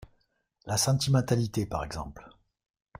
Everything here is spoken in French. La sentimentalité, par exemple.